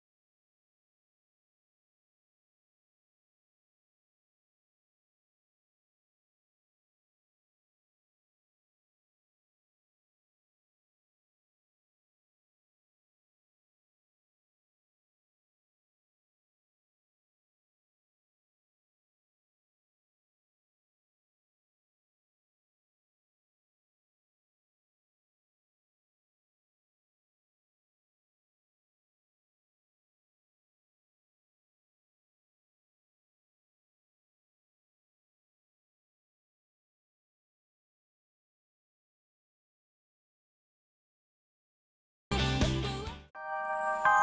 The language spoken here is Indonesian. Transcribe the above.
tuh lo udah jualan gue